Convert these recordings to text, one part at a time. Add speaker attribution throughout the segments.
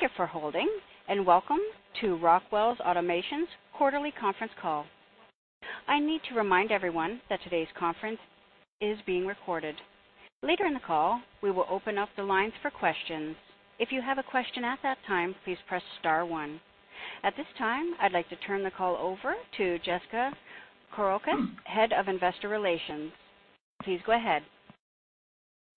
Speaker 1: Thank you for holding, and welcome to Rockwell Automation's quarterly conference call. I need to remind everyone that today's conference is being recorded. Later in the call, we will open up the lines for questions. If you have a question at that time, please press star one. At this time, I'd like to turn the call over to Jessica Kourakos, Head of Investor Relations. Please go ahead.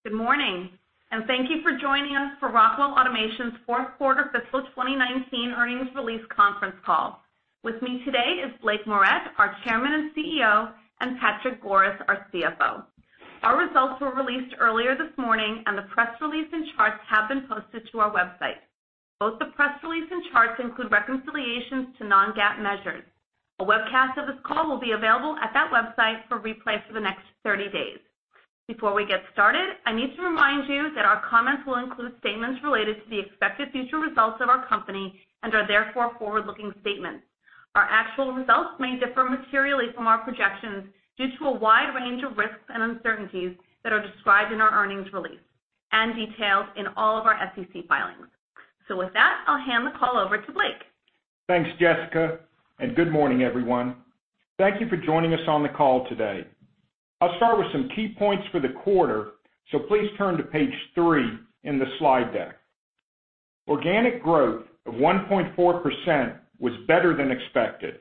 Speaker 2: Good morning, and thank you for joining us for Rockwell Automation's fourth quarter fiscal 2019 earnings release conference call. With me today is Blake Moret, our Chairman and CEO, and Patrick Goris, our CFO. Our results were released earlier this morning, and the press release and charts have been posted to our website. Both the press release and charts include reconciliations to non-GAAP measures. A webcast of this call will be available at that website for replay for the next 30 days. Before we get started, I need to remind you that our comments will include statements related to the expected future results of our company and are therefore forward-looking statements. Our actual results may differ materially from our projections due to a wide range of risks and uncertainties that are described in our earnings release and detailed in all of our SEC filings. With that, I'll hand the call over to Blake.
Speaker 3: Thanks, Jessica, good morning, everyone. Thank you for joining us on the call today. I'll start with some key points for the quarter, so please turn to page three in the slide deck. Organic growth of 1.4% was better than expected,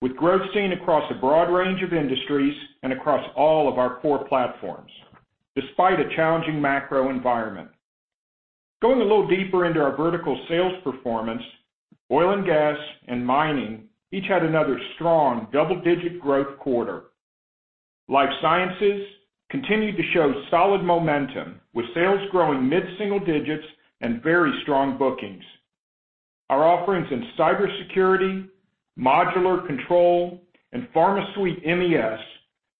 Speaker 3: with growth seen across a broad range of industries and across all of our core platforms, despite a challenging macro environment. Going a little deeper into our vertical sales performance, oil and gas and mining each had another strong double-digit growth quarter. Life sciences continued to show solid momentum, with sales growing mid-single digits and very strong bookings. Our offerings in cybersecurity, modular control, and PharmaSuite MES,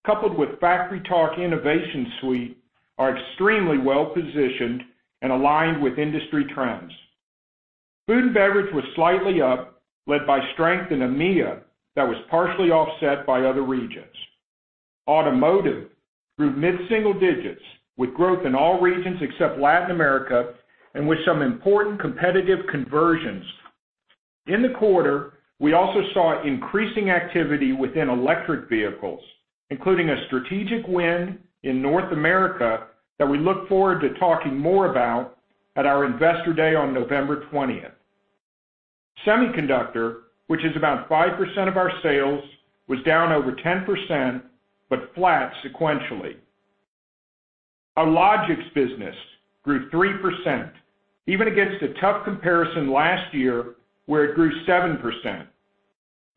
Speaker 3: coupled with FactoryTalk InnovationSuite, are extremely well-positioned and aligned with industry trends. Food and beverage was slightly up, led by strength in EMEA that was partially offset by other regions. Automotive grew mid-single digits with growth in all regions except Latin America and with some important competitive conversions. In the quarter, we also saw increasing activity within electric vehicles, including a strategic win in North America that we look forward to talking more about at our Investor Day on November 20th. Semiconductor, which is about 5% of our sales, was down over 10%, but flat sequentially. Our Logix business grew 3%, even against a tough comparison last year where it grew 7%.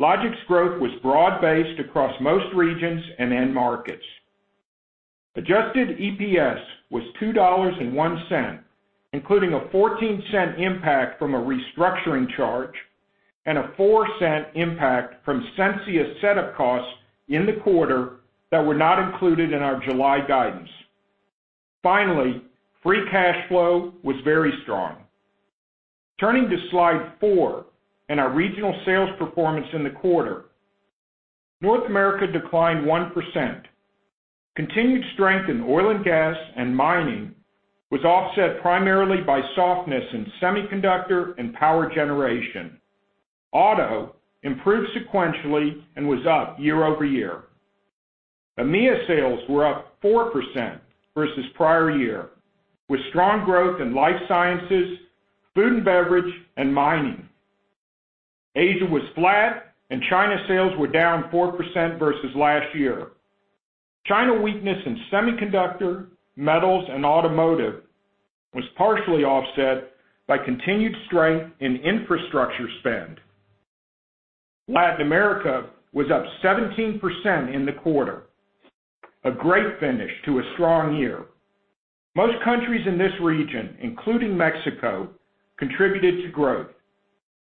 Speaker 3: Logix growth was broad-based across most regions and end markets. Adjusted EPS was $2.01, including a $0.14 impact from a restructuring charge and a $0.04 impact from Sensia setup costs in the quarter that were not included in our July guidance. Finally, free cash flow was very strong. Turning to slide four and our regional sales performance in the quarter. North America declined 1%. Continued strength in oil and gas and mining was offset primarily by softness in semiconductor and power generation. Auto improved sequentially and was up year-over-year. EMEA sales were up 4% versus prior year, with strong growth in life sciences, food and beverage, and mining. Asia was flat, and China sales were down 4% versus last year. China weakness in semiconductor, metals, and automotive was partially offset by continued strength in infrastructure spend. Latin America was up 17% in the quarter, a great finish to a strong year. Most countries in this region, including Mexico, contributed to growth.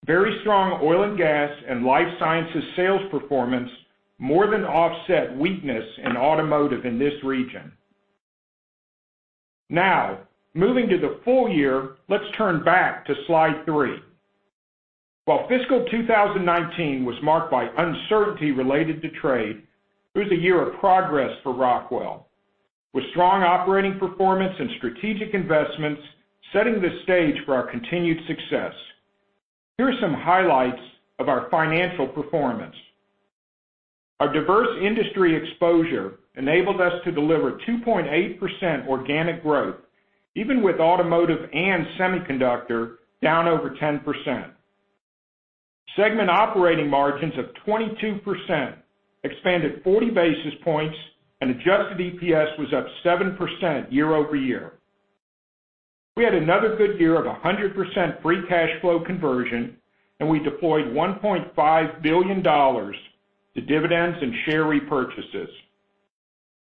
Speaker 3: Very strong oil and gas and life sciences sales performance more than offset weakness in automotive in this region. Now, moving to the full year, let's turn back to slide three. While fiscal 2019 was marked by uncertainty related to trade, it was a year of progress for Rockwell, with strong operating performance and strategic investments setting the stage for our continued success. Here are some highlights of our financial performance. Our diverse industry exposure enabled us to deliver 2.8% organic growth, even with automotive and semiconductor down over 10%. Segment operating margins of 22% expanded 40 basis points. Adjusted EPS was up 7% year-over-year. We had another good year of 100% free cash flow conversion. We deployed $1.5 billion to dividends and share repurchases.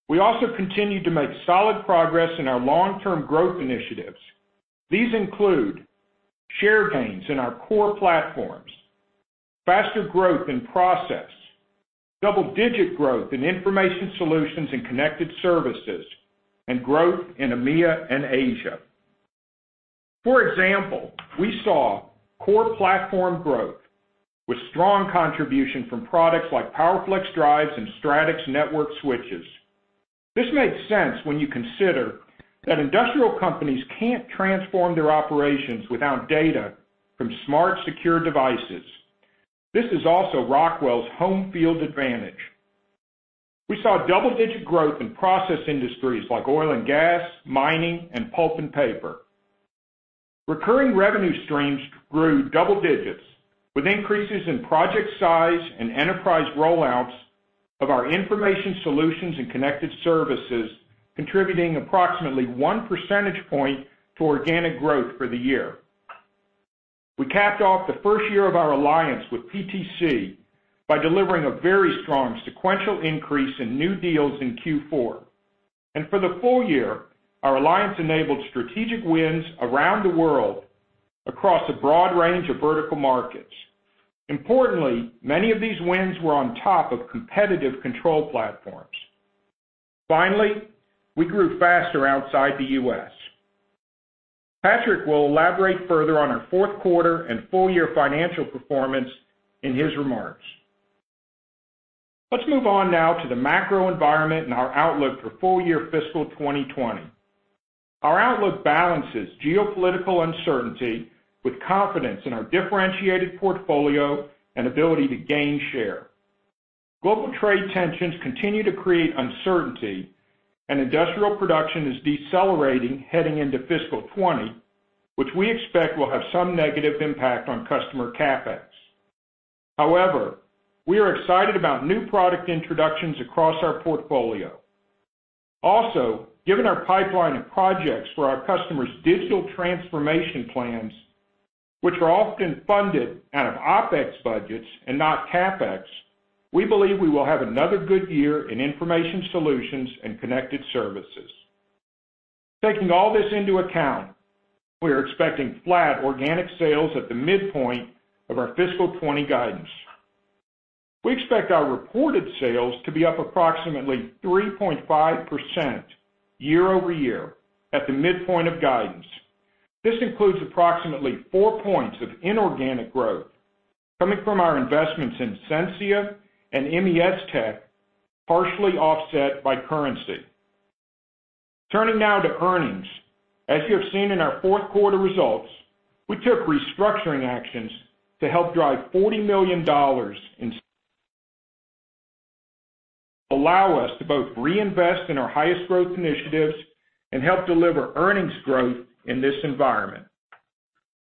Speaker 3: We also continued to make solid progress in our long-term growth initiatives. These include share gains in our core platforms, faster growth in process, double-digit growth in information solutions and connected services, and growth in EMEA and Asia. For example, we saw core platform growth with strong contribution from products like PowerFlex drives and Stratix network switches. This makes sense when you consider that industrial companies can't transform their operations without data from smart, secure devices. This is also Rockwell's home field advantage. We saw double-digit growth in process industries like oil and gas, mining, and pulp and paper. Recurring revenue streams grew double digits, with increases in project size and enterprise rollouts of our information solutions and connected services contributing approximately one percentage point to organic growth for the year. We capped off the first year of our alliance with PTC by delivering a very strong sequential increase in new deals in Q4. For the full year, our alliance enabled strategic wins around the world across a broad range of vertical markets. Importantly, many of these wins were on top of competitive control platforms. We grew faster outside the U.S. Patrick Goris will elaborate further on our fourth quarter and full year financial performance in his remarks. Let's move on now to the macro environment and our outlook for full year fiscal 2020. Our outlook balances geopolitical uncertainty with confidence in our differentiated portfolio and ability to gain share. Global trade tensions continue to create uncertainty and industrial production is decelerating heading into fiscal 2020, which we expect will have some negative impact on customer CapEx. We are excited about new product introductions across our portfolio. Given our pipeline of projects for our customers' digital transformation plans, which are often funded out of OpEx budgets and not CapEx, we believe we will have another good year in information solutions and connected services. Taking all this into account, we are expecting flat organic sales at the midpoint of our fiscal 2020 guidance. We expect our reported sales to be up approximately 3.5% year-over-year at the midpoint of guidance. This includes approximately four points of inorganic growth coming from our investments in Sensia and MESTECH, partially offset by currency. Turning now to earnings. As you have seen in our fourth quarter results, we took restructuring actions to help drive $40 million in allow us to both reinvest in our highest growth initiatives and help deliver earnings growth in this environment.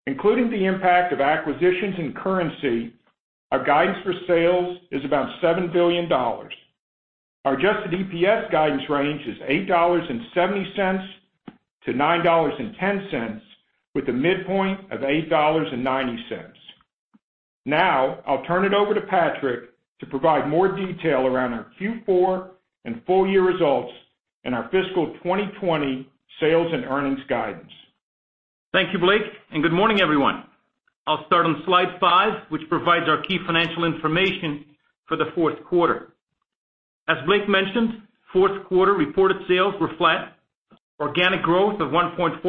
Speaker 3: Including the impact of acquisitions and currency, our guidance for sales is about $7 billion. Our adjusted EPS guidance range is $8.70 to $9.10, with a midpoint of $8.90. Now, I'll turn it over to Patrick to provide more detail around our Q4 and full year results and our fiscal 2020 sales and earnings guidance.
Speaker 4: Thank you, Blake, and good morning, everyone. I'll start on slide five, which provides our key financial information for the fourth quarter. As Blake mentioned, fourth quarter reported sales were flat. Organic growth of 1.4%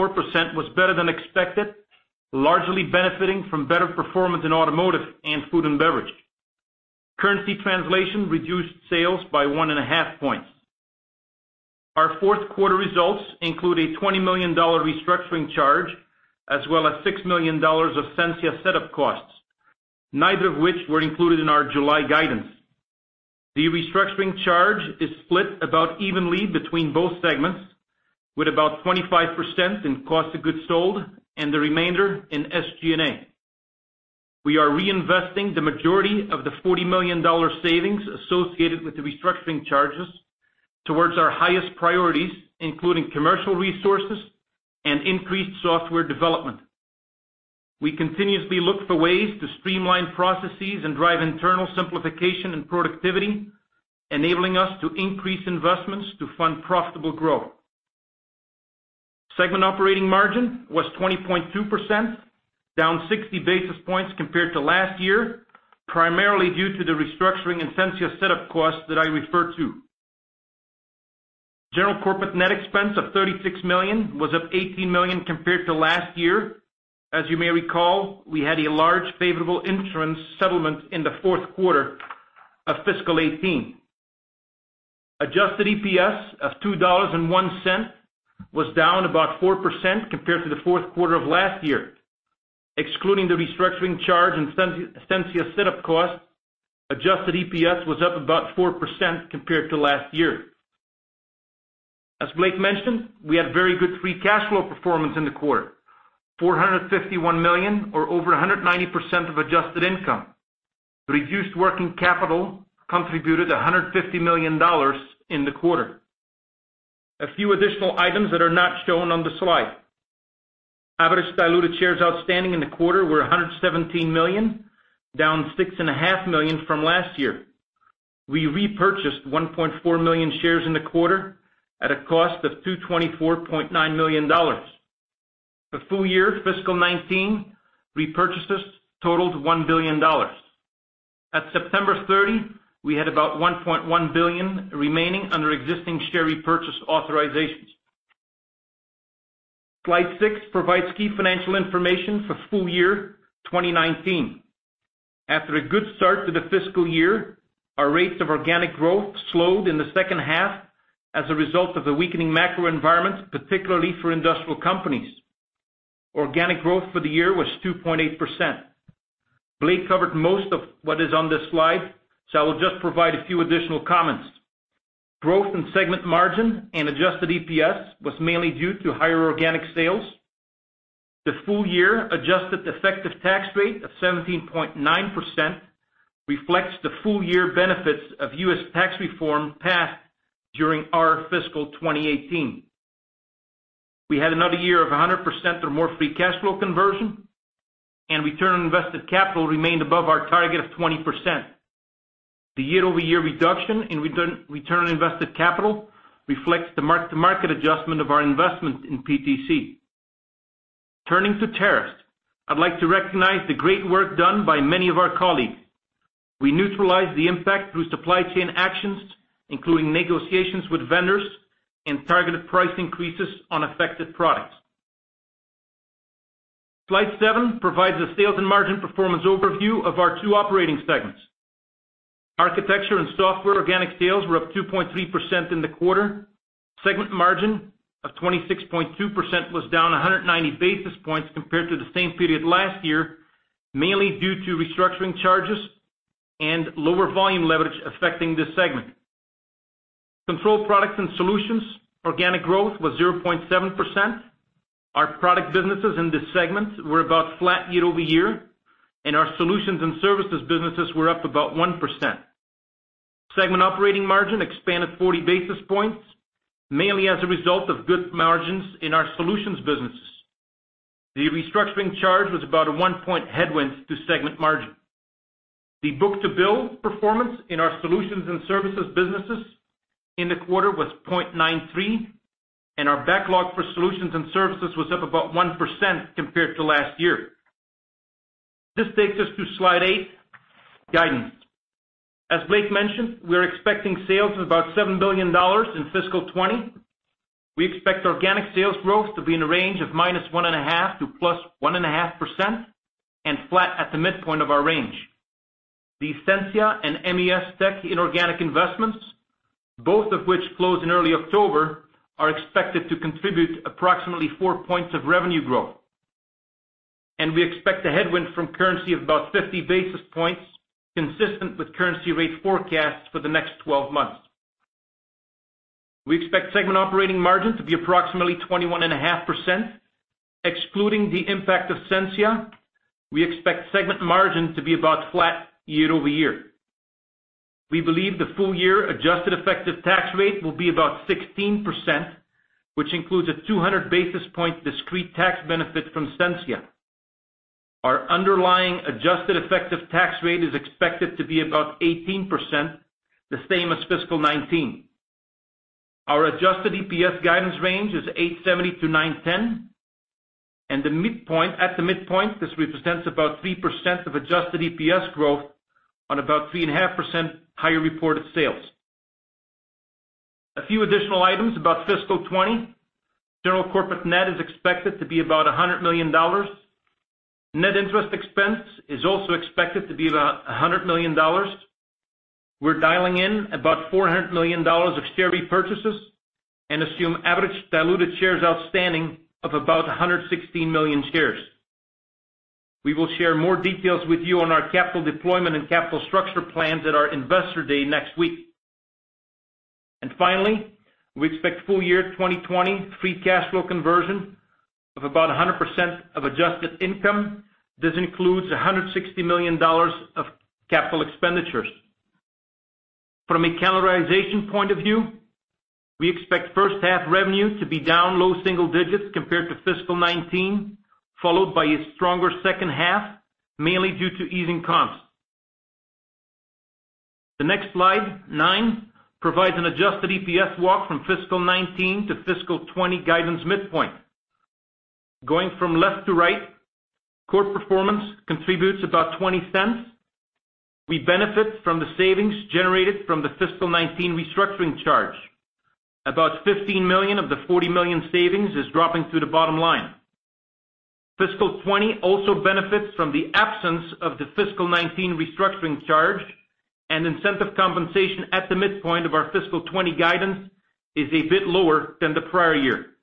Speaker 4: was better than expected, largely benefiting from better performance in automotive and food and beverage. Currency translation reduced sales by one and a half points. Our fourth quarter results include a $20 million restructuring charge, as well as $6 million of Sensia set-up costs, neither of which were included in our July guidance. The restructuring charge is split about evenly between both segments, with about 25% in cost of goods sold and the remainder in SG&A. We are reinvesting the majority of the $40 million savings associated with the restructuring charges towards our highest priorities, including commercial resources and increased software development. We continuously look for ways to streamline processes and drive internal simplification and productivity, enabling us to increase investments to fund profitable growth. Segment operating margin was 20.2%, down 60 basis points compared to last year, primarily due to the restructuring and Sensia set-up costs that I referred to. General corporate net expense of $36 million was up $18 million compared to last year. As you may recall, we had a large favorable insurance settlement in the fourth quarter of fiscal 2018. Adjusted EPS of $2.01 was down about 4% compared to the fourth quarter of last year. Excluding the restructuring charge and Sensia set-up costs, adjusted EPS was up about 4% compared to last year. As Blake mentioned, we had very good free cash flow performance in the quarter, $451 million or over 190% of adjusted income. Reduced working capital contributed $150 million in the quarter. A few additional items that are not shown on the slide. Average diluted shares outstanding in the quarter were 117 million, down 6.5 million from last year. We repurchased 1.4 million shares in the quarter at a cost of $224.9 million. For full year fiscal 2019, repurchases totaled $1 billion. At September 30, we had about $1.1 billion remaining under existing share repurchase authorizations. Slide six provides key financial information for full year 2019. After a good start to the fiscal year, our rates of organic growth slowed in the second half as a result of the weakening macro environment, particularly for industrial companies. Organic growth for the year was 2.8%. Blake covered most of what is on this slide, so I will just provide a few additional comments. Growth in segment margin and adjusted EPS was mainly due to higher organic sales. The full-year adjusted effective tax rate of 17.9% reflects the full-year benefits of U.S. tax reform passed during our fiscal 2018. We had another year of 100% or more free cash flow conversion, and return on invested capital remained above our target of 20%. The year-over-year reduction in return on invested capital reflects the mark-to-market adjustment of our investment in PTC. Turning to tariffs, I'd like to recognize the great work done by many of our colleagues. We neutralized the impact through supply chain actions, including negotiations with vendors and targeted price increases on affected products. Slide seven provides a sales and margin performance overview of our two operating segments. Architecture and Software organic sales were up 2.3% in the quarter. Segment margin of 26.2% was down 190 basis points compared to the same period last year, mainly due to restructuring charges and lower volume leverage affecting this segment. Control Products & Solutions organic growth was 0.7%. Our product businesses in this segment were about flat year-over-year, and our solutions and services businesses were up about 1%. Segment operating margin expanded 40 basis points, mainly as a result of good margins in our solutions businesses. The restructuring charge was about a one-point headwind to segment margin. The book-to-bill performance in our solutions and services businesses in the quarter was 0.93, and our backlog for solutions and services was up about 1% compared to last year. This takes us to slide eight, guidance. As Blake mentioned, we're expecting sales of about $7 billion in fiscal 2020. We expect organic sales growth to be in the range of -1.5% to +1.5%, and flat at the midpoint of our range. The Sensia and MESTECH Services inorganic investments, both of which closed in early October, are expected to contribute approximately four points of revenue growth. We expect a headwind from currency of about 50 basis points, consistent with currency rate forecasts for the next 12 months. We expect segment operating margin to be approximately 21.5%. Excluding the impact of Sensia, we expect segment margin to be about flat year-over-year. We believe the full-year adjusted effective tax rate will be about 16%, which includes a 200 basis point discrete tax benefit from Sensia. Our underlying adjusted effective tax rate is expected to be about 18%, the same as fiscal 2019. Our adjusted EPS guidance range is $8.70 to $9.10, and at the midpoint, this represents about 3% of adjusted EPS growth on about 3.5% higher reported sales. A few additional items about fiscal 2020. General corporate net is expected to be about $100 million. Net interest expense is also expected to be about $100 million. We're dialing in about $400 million of share repurchases and assume average diluted shares outstanding of about 116 million shares. We will share more details with you on our capital deployment and capital structure plans at our Investor Day next week. Finally, we expect full-year 2020 free cash flow conversion of about 100% of adjusted income. This includes $160 million of CapEx. From a calendarization point of view, we expect first half revenue to be down low single digits compared to fiscal 2019, followed by a stronger second half, mainly due to easing comps. The next slide nine provides an adjusted EPS walk from fiscal 2019 to fiscal 2020 guidance midpoint. Going from left to right, core performance contributes about $0.20. We benefit from the savings generated from the fiscal 2019 restructuring charge. About $15 million of the $40 million savings is dropping to the bottom line. Fiscal 2020 also benefits from the absence of the fiscal 2019 restructuring charge and incentive compensation at the midpoint of our fiscal 2020 guidance is a bit lower than the prior year.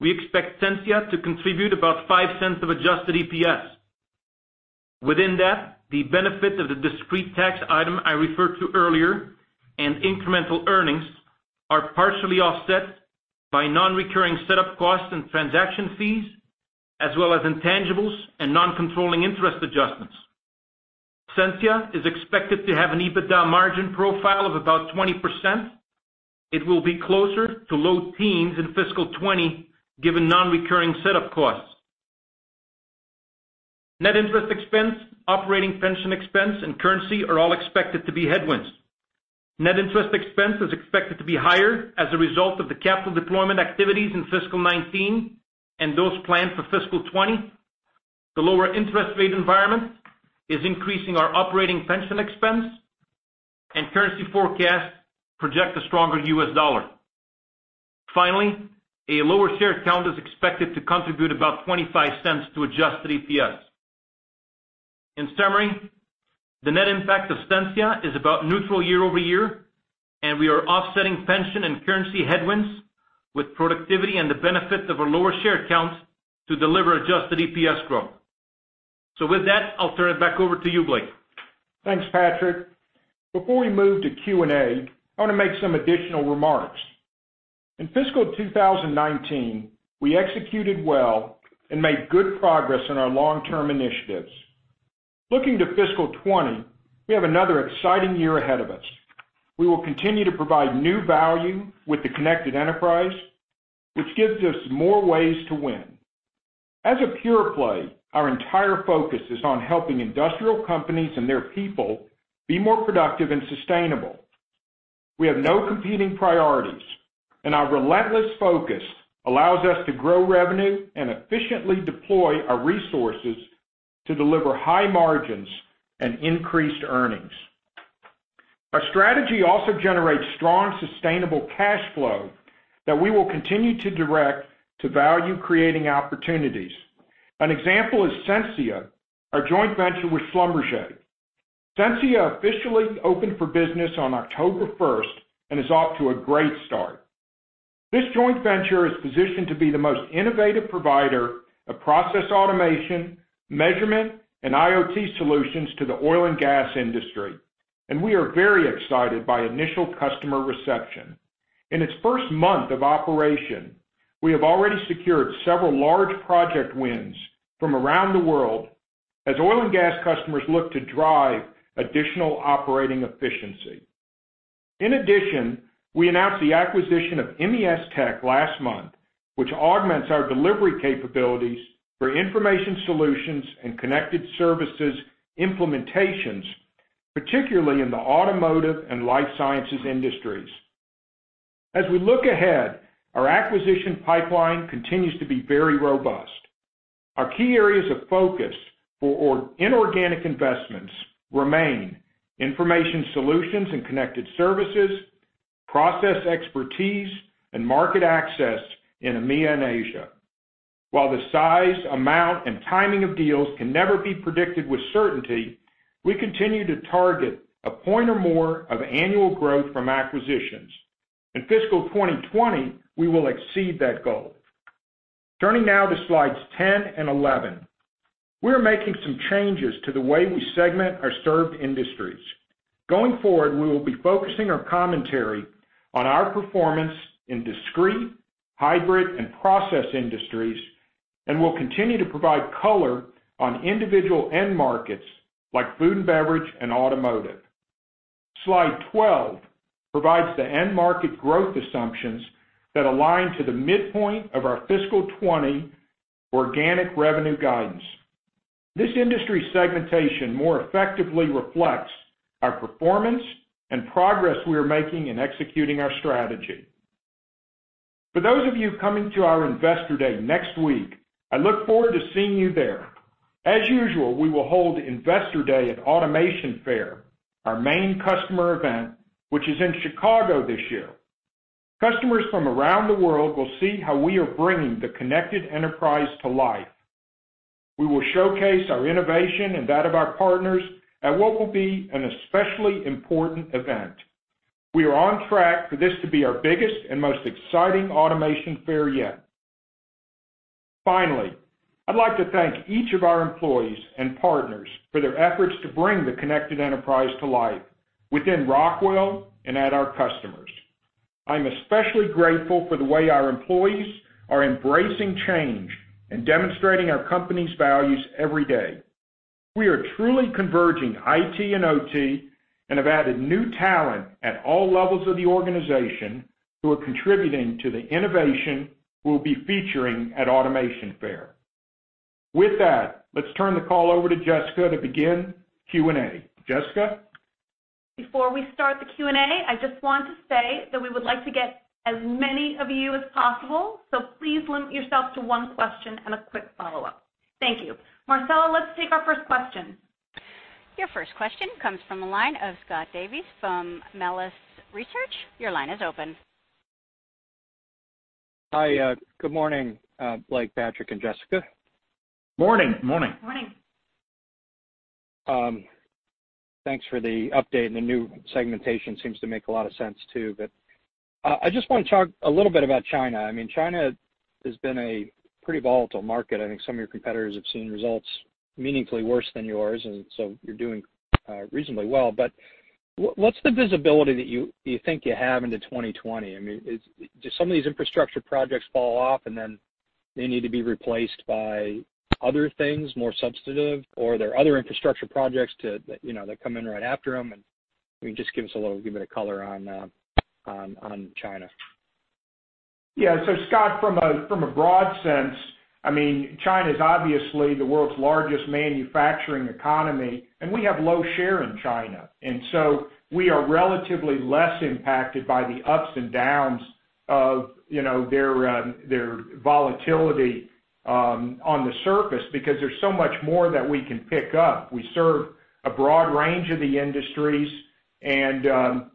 Speaker 4: We expect Sensia to contribute about $0.05 of adjusted EPS. Within that, the benefit of the discrete tax item I referred to earlier and incremental earnings are partially offset by non-recurring setup costs and transaction fees as well as intangibles and non-controlling interest adjustments. Sensia is expected to have an EBITDA margin profile of about 20%. It will be closer to low teens in FY 2020, given non-recurring set up costs. Net interest expense, operating pension expense, and currency are all expected to be headwinds. Net interest expense is expected to be higher as a result of the capital deployment activities in FY 2019 and those planned for FY 2020. The lower interest rate environment is increasing our operating pension expense. Currency forecasts project a stronger U.S. dollar. Finally, a lower share count is expected to contribute about $0.25 to adjusted EPS. In summary, the net impact of Sensia is about neutral year-over-year, and we are offsetting pension and currency headwinds with productivity and the benefit of a lower share count to deliver adjusted EPS growth. With that, I'll turn it back over to you, Blake.
Speaker 3: Thanks, Patrick. Before we move to Q&A, I want to make some additional remarks. In fiscal 2019, we executed well and made good progress on our long-term initiatives. Looking to fiscal 2020, we have another exciting year ahead of us. We will continue to provide new value with the Connected Enterprise, which gives us more ways to win. As a pure play, our entire focus is on helping industrial companies and their people be more productive and sustainable. We have no competing priorities, and our relentless focus allows us to grow revenue and efficiently deploy our resources to deliver high margins and increased earnings. Our strategy also generates strong, sustainable cash flow that we will continue to direct to value-creating opportunities. An example is Sensia, our joint venture with Schlumberger. Sensia officially opened for business on October 1st and is off to a great start. This joint venture is positioned to be the most innovative provider of process automation, measurement, and IoT solutions to the oil and gas industry, and we are very excited by initial customer reception. In its first month of operation, we have already secured several large project wins from around the world as oil and gas customers look to drive additional operating efficiency. In addition, we announced the acquisition of MESTECH Services last month, which augments our delivery capabilities for information solutions and connected services implementations, particularly in the automotive and life sciences industries. As we look ahead, our acquisition pipeline continues to be very robust. Our key areas of focus for inorganic investments remain information solutions and connected services, process expertise, and market access in EMEA and Asia. While the size, amount, and timing of deals can never be predicted with certainty, we continue to target a point or more of annual growth from acquisitions. In fiscal 2020, we will exceed that goal. Turning now to slides 10 and 11. We are making some changes to the way we segment our served industries. Going forward, we will be focusing our commentary on our performance in discrete, hybrid, and process industries, and we'll continue to provide color on individual end markets like food and beverage and automotive. Slide 12 provides the end market growth assumptions that align to the midpoint of our fiscal 2020 organic revenue guidance. This industry segmentation more effectively reflects our performance and progress we are making in executing our strategy. For those of you coming to our Investor Day next week, I look forward to seeing you there. As usual, we will hold Investor Day at Automation Fair, our main customer event, which is in Chicago this year. Customers from around the world will see how we are bringing the Connected Enterprise to life. We will showcase our innovation and that of our partners at what will be an especially important event. We are on track for this to be our biggest and most exciting Automation Fair yet. Finally, I'd like to thank each of our employees and partners for their efforts to bring the Connected Enterprise to life within Rockwell and at our customers. I'm especially grateful for the way our employees are embracing change and demonstrating our company's values every day. We are truly converging IT and OT and have added new talent at all levels of the organization who are contributing to the innovation we'll be featuring at Automation Fair. With that, let's turn the call over to Jessica to begin Q&A. Jessica?
Speaker 2: Before we start the Q&A, I just want to say that we would like to get as many of you as possible, so please limit yourself to one question and a quick follow-up. Thank you. Marcela, let's take our first question.
Speaker 1: Your first question comes from the line of Scott Davis from Melius Research. Your line is open.
Speaker 5: Hi. Good morning, Blake, Patrick, and Jessica.
Speaker 3: Morning.
Speaker 4: Morning.
Speaker 2: Morning.
Speaker 5: Thanks for the update, and the new segmentation seems to make a lot of sense, too. I just want to talk a little bit about China. China has been a pretty volatile market. I think some of your competitors have seen results meaningfully worse than yours, and so you're doing reasonably well. What's the visibility that you think you have into 2020? Do some of these infrastructure projects fall off and then they need to be replaced by other things, more substantive, or are there other infrastructure projects that come in right after them? Can you just give us a little bit of color on China?
Speaker 3: Yeah, Scott, from a broad sense, China's obviously the world's largest manufacturing economy, and we have low share in China. We are relatively less impacted by the ups and downs of their volatility. On the surface, because there's so much more that we can pick up. We serve a broad range of the industries, and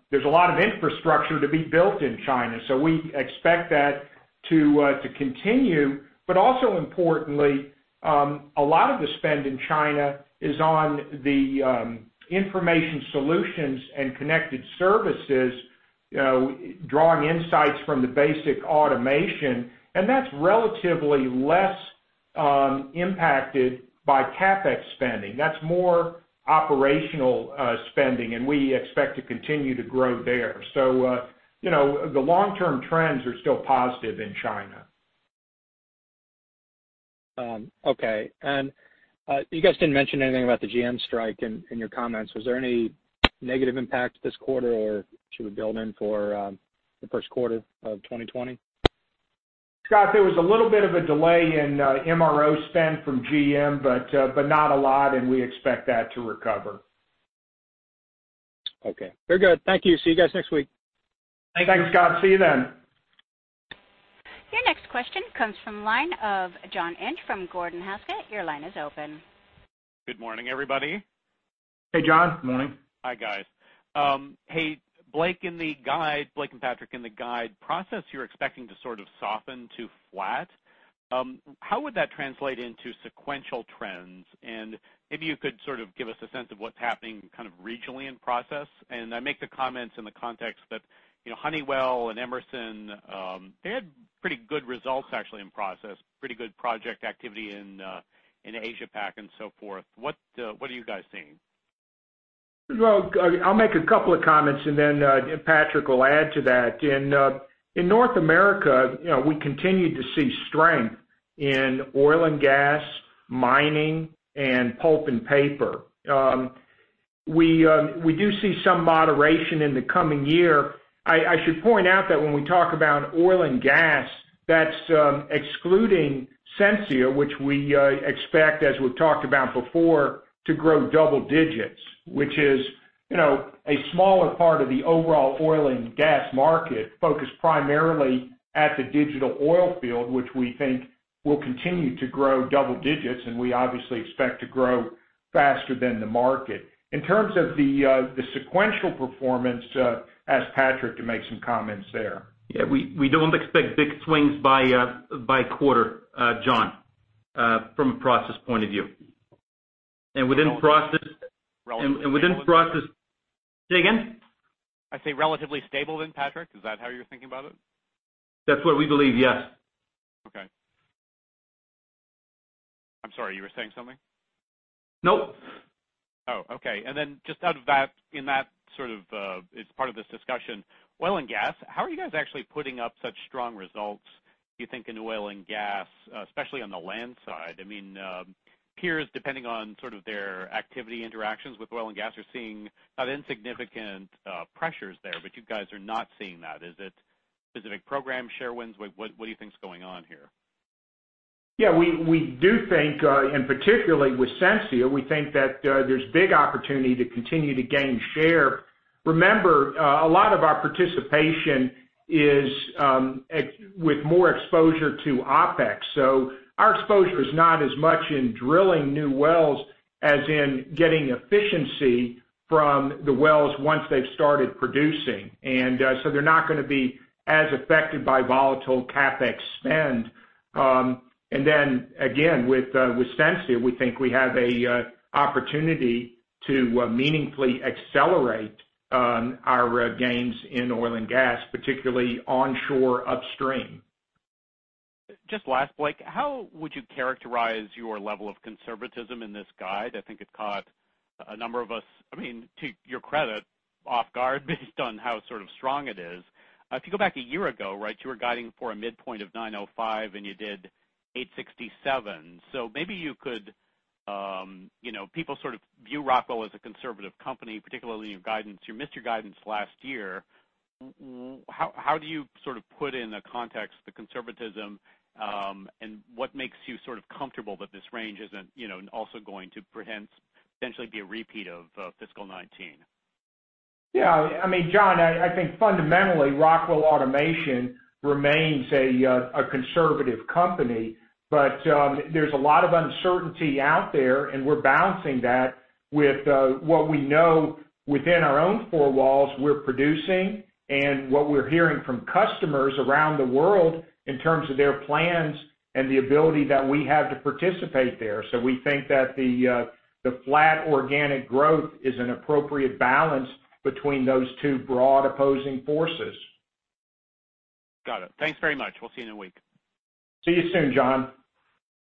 Speaker 3: there's a lot of infrastructure to be built in China, so we expect that to continue. Also importantly, a lot of the spend in China is on the information solutions and connected services, drawing insights from the basic automation, and that's relatively less impacted by CapEx spending. That's more operational spending, and we expect to continue to grow there. The long-term trends are still positive in China.
Speaker 5: Okay. You guys didn't mention anything about the GM strike in your comments. Was there any negative impact this quarter or should we build in for the first quarter of 2020?
Speaker 3: Scott, there was a little bit of a delay in MRO spend from GM, but not a lot, and we expect that to recover.
Speaker 5: Okay. Very good. Thank you. See you guys next week.
Speaker 3: Thanks, Scott. See you then.
Speaker 1: Your next question comes from the line of John Inch from Gordon Haskett. Your line is open.
Speaker 6: Good morning, everybody.
Speaker 3: Hey, John. Morning.
Speaker 6: Hi, guys. Hey, Blake and Patrick, in the guide process, you're expecting to sort of soften to flat. How would that translate into sequential trends? Maybe you could sort of give us a sense of what's happening kind of regionally in process. I make the comments in the context that Honeywell and Emerson, they had pretty good results, actually, in process, pretty good project activity in Asia Pac and so forth. What are you guys seeing?
Speaker 3: I'll make a couple of comments and then Patrick will add to that. In North America, we continue to see strength in oil and gas, mining, and pulp and paper. We do see some moderation in the coming year. I should point out that when we talk about oil and gas, that's excluding Sensia, which we expect, as we've talked about before, to grow double digits, which is a smaller part of the overall oil and gas market, focused primarily at the digital oilfield, which we think will continue to grow double digits, and we obviously expect to grow faster than the market. In terms of the sequential performance, ask Patrick to make some comments there.
Speaker 4: Yeah, we don't expect big swings by quarter, John, from a process point of view.
Speaker 6: relatively stable then?
Speaker 4: Say again?
Speaker 6: I say relatively stable then, Patrick? Is that how you're thinking about it?
Speaker 4: That's what we believe, yes.
Speaker 6: Okay. I'm sorry, you were saying something?
Speaker 4: Nope.
Speaker 6: Oh, okay. Just out of that, in that sort of, as part of this discussion, oil and gas, how are you guys actually putting up such strong results, do you think, in oil and gas, especially on the land side? Peers, depending on sort of their activity interactions with oil and gas, are seeing not insignificant pressures there, but you guys are not seeing that. Is it a big program, share wins? What do you think is going on here?
Speaker 3: Yeah, we do think, particularly with Sensia, we think that there's big opportunity to continue to gain share. Remember, a lot of our participation is with more exposure to OpEx, our exposure is not as much in drilling new wells as in getting efficiency from the wells once they've started producing. They're not going to be as affected by volatile CapEx spend. Again, with Sensia, we think we have an opportunity to meaningfully accelerate our gains in oil and gas, particularly onshore upstream.
Speaker 6: Just last, Blake, how would you characterize your level of conservatism in this guide? I think it caught a number of us, to your credit, off guard based on how sort of strong it is. If you go back a year ago, right, you were guiding for a midpoint of $905 and you did $867. People sort of view Rockwell as a conservative company, particularly your guidance. You missed your guidance last year. How do you sort of put in the context the conservatism, and what makes you sort of comfortable that this range isn't also going to potentially be a repeat of fiscal 2019?
Speaker 3: Yeah. John, I think fundamentally, Rockwell Automation remains a conservative company. There's a lot of uncertainty out there, and we're balancing that with what we know within our own four walls we're producing and what we're hearing from customers around the world in terms of their plans and the ability that we have to participate there. We think that the flat organic growth is an appropriate balance between those two broad opposing forces.
Speaker 6: Got it. Thanks very much. We'll see you in a week.
Speaker 3: See you soon, John.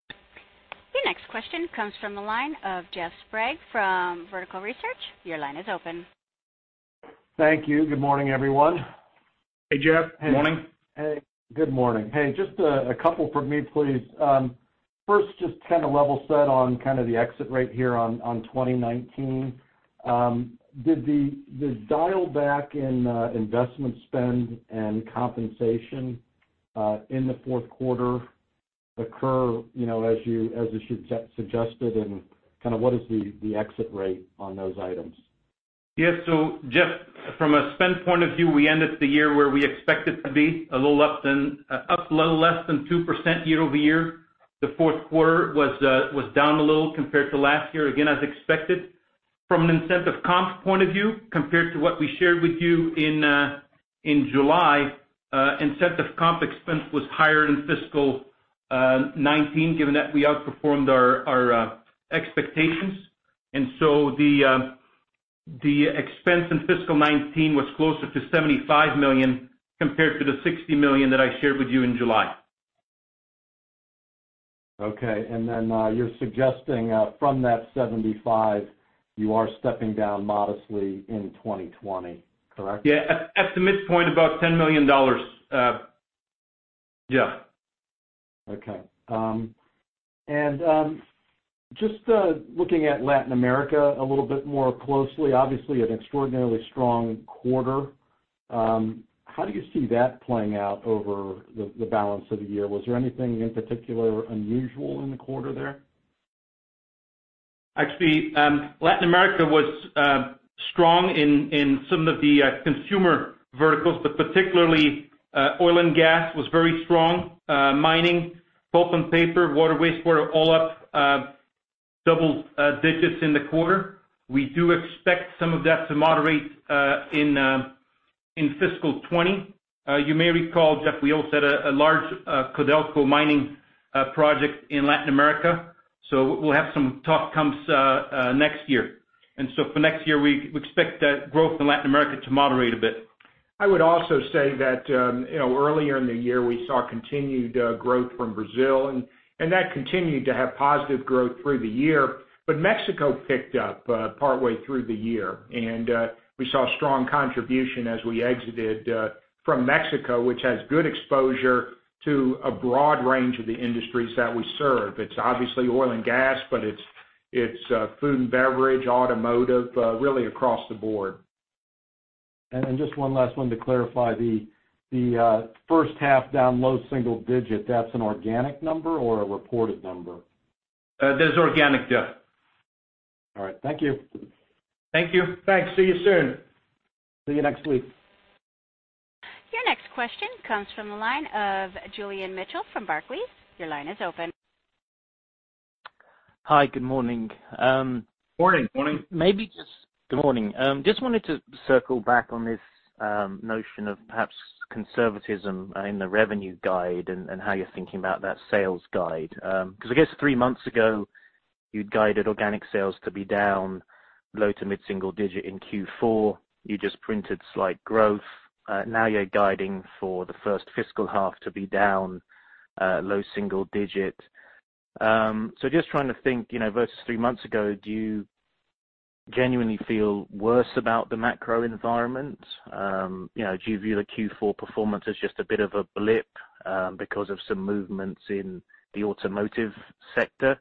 Speaker 1: The next question comes from the line of Jeff Sprague from Vertical Research. Your line is open.
Speaker 7: Thank you. Good morning, everyone.
Speaker 3: Hey, Jeff. Morning.
Speaker 7: Hey. Good morning. Hey, just a couple from me, please. First, just kind of level set on kind of the exit rate here on 2019. Did the dial back in investment spend and compensation in the fourth quarter occur as you suggested, and what is the exit rate on those items?
Speaker 4: Yes. Jeff, from a spend point of view, we ended the year where we expected to be, up a little less than 2% year-over-year. The fourth quarter was down a little compared to last year, again, as expected. From an incentive comp point of view, compared to what we shared with you in July, incentive comp expense was higher in fiscal 2019, given that we outperformed our expectations. The expense in fiscal 2019 was closer to $75 million compared to the $60 million that I shared with you in July.
Speaker 7: Okay. Then you're suggesting from that 75, you are stepping down modestly in 2020, correct?
Speaker 4: Yeah. At the midpoint, about $10 million. Yeah.
Speaker 7: Okay. Just looking at Latin America a little bit more closely, obviously an extraordinarily strong quarter. How do you see that playing out over the balance of the year? Was there anything in particular unusual in the quarter there?
Speaker 4: Latin America was strong in some of the consumer verticals, but particularly oil and gas was very strong. Mining, pulp and paper, water, wastewater, all up double digits in the quarter. We do expect some of that to moderate in fiscal 2020. You may recall, Jeff, we all set a large Codelco mining project in Latin America, so we'll have some tough comps next year. For next year, we expect that growth in Latin America to moderate a bit.
Speaker 3: I would also say that earlier in the year, we saw continued growth from Brazil, that continued to have positive growth through the year. Mexico picked up partway through the year, and we saw strong contribution as we exited from Mexico, which has good exposure to a broad range of the industries that we serve. It's obviously oil and gas, but it's food and beverage, automotive, really across the board.
Speaker 7: Just one last one to clarify the first half down, low single digit, that's an organic number or a reported number?
Speaker 4: That's organic, Jeff.
Speaker 7: All right. Thank you.
Speaker 4: Thank you.
Speaker 3: Thanks. See you soon.
Speaker 7: See you next week.
Speaker 1: Your next question comes from the line of Julian Mitchell from Barclays. Your line is open.
Speaker 8: Hi. Good morning.
Speaker 4: Morning.
Speaker 3: Morning.
Speaker 8: Good morning. Just wanted to circle back on this notion of perhaps conservatism in the revenue guide and how you're thinking about that sales guide. I guess three months ago, you'd guided organic sales to be down low to mid single digit in Q4. You just printed slight growth. Now you're guiding for the first fiscal half to be down low single digit. Just trying to think, versus three months ago, do you genuinely feel worse about the macro environment? Do you view the Q4 performance as just a bit of a blip because of some movements in the automotive sector?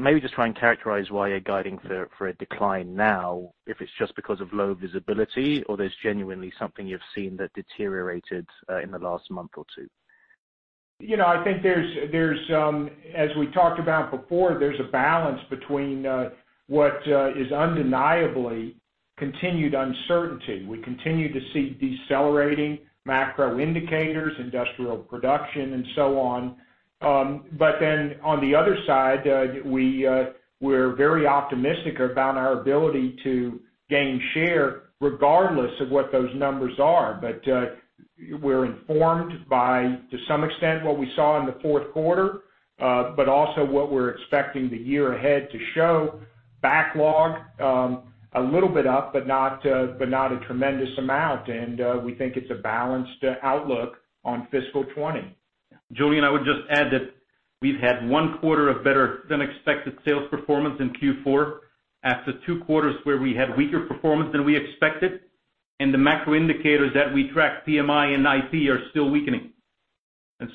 Speaker 8: Maybe just try and characterize why you're guiding for a decline now, if it's just because of low visibility or there's genuinely something you've seen that deteriorated in the last month or two.
Speaker 3: I think as we talked about before, there's a balance between what is undeniably continued uncertainty. We continue to see decelerating macro indicators, industrial production, and so on. On the other side, we're very optimistic about our ability to gain share regardless of what those numbers are. We're informed by, to some extent, what we saw in the fourth quarter, also what we're expecting the year ahead to show backlog a little bit up, not a tremendous amount. We think it's a balanced outlook on fiscal 2020.
Speaker 4: Julian, I would just add that we've had one quarter of better-than-expected sales performance in Q4 after two quarters where we had weaker performance than we expected. The macro indicators that we track, PMI and IP, are still weakening.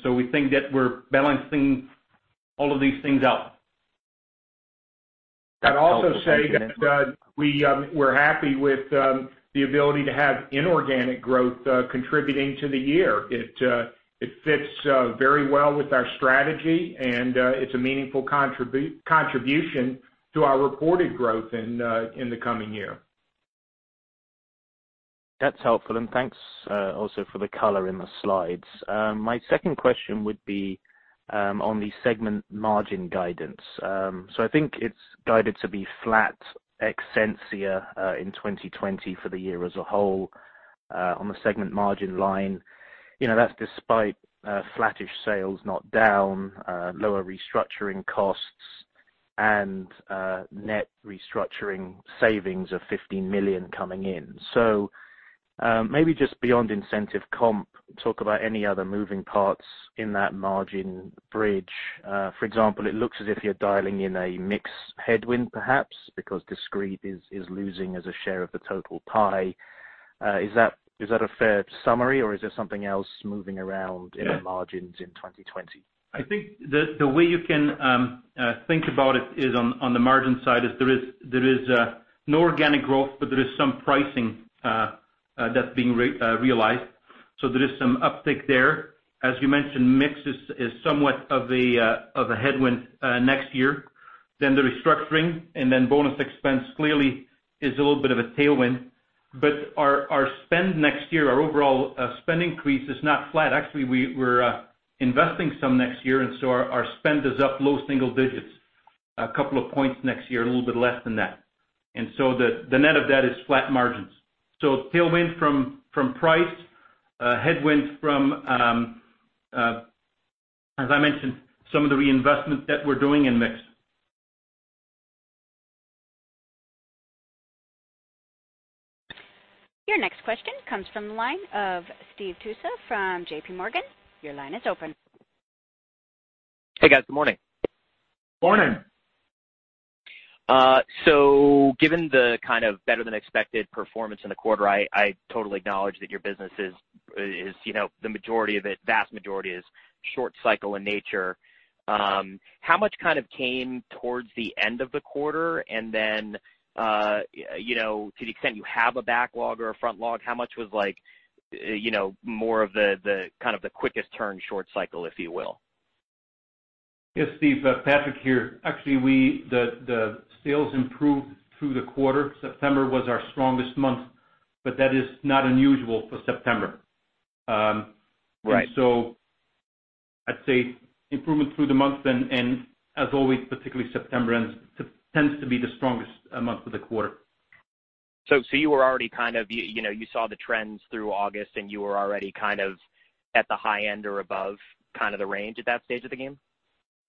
Speaker 4: We think that we're balancing all of these things out.
Speaker 3: I'd also say that we're happy with the ability to have inorganic growth contributing to the year. It fits very well with our strategy and it's a meaningful contribution to our reported growth in the coming year.
Speaker 8: That's helpful, and thanks also for the color in the slides. My second question would be on the segment margin guidance. I think it's guided to be flat ex Sensia in 2020 for the year as a whole on the segment margin line. That's despite flattish sales, not down, lower restructuring costs and net restructuring savings of $15 million coming in. Maybe just beyond incentive comp, talk about any other moving parts in that margin bridge. For example, it looks as if you're dialing in a mix headwind, perhaps, because discrete is losing as a share of the total pie. Is that a fair summary or is there something else moving around in the margins in 2020?
Speaker 4: I think the way you can think about it is on the margin side is there is no organic growth, but there is some pricing that's being realized. There is some uptick there. As you mentioned, mix is somewhat of a headwind next year. The restructuring and then bonus expense clearly is a little bit of a tailwind. Our spend next year, our overall spend increase is not flat. Actually, we're investing some next year, and so our spend is up low single digits, a couple of points next year, a little bit less than that. The net of that is flat margins. Tailwind from price, headwinds from, as I mentioned, some of the reinvestment that we're doing in mix.
Speaker 1: Your next question comes from the line of Steve Tusa from J.P. Morgan. Your line is open.
Speaker 9: Hey, guys. Good morning.
Speaker 4: Morning.
Speaker 9: Given the kind of better-than-expected performance in the quarter, I totally acknowledge that your business is, the vast majority is short cycle in nature. How much kind of came towards the end of the quarter? To the extent you have a backlog or a front log, how much was more of the quickest turn short cycle, if you will?
Speaker 4: Yes, Steve. Patrick here. Actually, the sales improved through the quarter. September was our strongest month, but that is not unusual for September.
Speaker 9: Right.
Speaker 4: I'd say improvement through the month and as always, particularly September tends to be the strongest month of the quarter.
Speaker 9: You were already kind of, you saw the trends through August, and you were already kind of at the high end or above kind of the range at that stage of the game?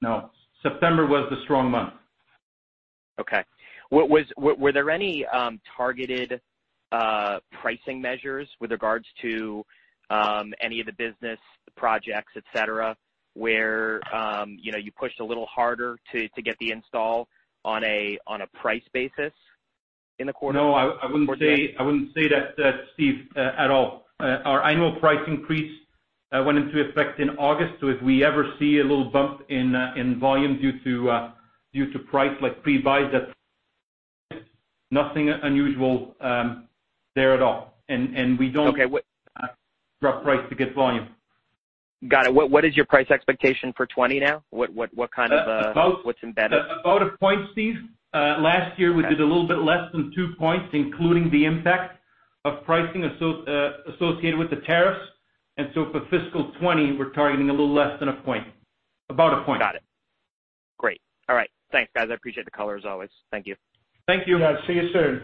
Speaker 4: No. September was the strong month.
Speaker 9: Okay. Were there any targeted pricing measures with regards to any of the business projects, et cetera, where you pushed a little harder to get the install on a price basis in the quarter?
Speaker 4: No, I wouldn't say that, Steve, at all. Our annual price increase went into effect in August, so if we ever see a little bump in volume due to price, like pre-buys, that's nothing unusual there at all.
Speaker 9: Okay.
Speaker 4: drop price to get volume.
Speaker 9: Got it. What is your price expectation for 2020 now? What kind of-
Speaker 4: About-
Speaker 9: What's embedded?
Speaker 4: About one point, Steve. Last year, we did a little bit less than two points, including the impact of pricing associated with the tariffs. For fiscal 2020, we're targeting a little less than one point. About one point.
Speaker 9: Got it. Great. All right. Thanks, guys. I appreciate the color as always. Thank you.
Speaker 4: Thank you.
Speaker 3: Thanks, guys. See you soon.